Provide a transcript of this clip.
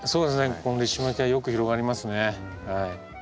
このリシマキアはよく広がりますね。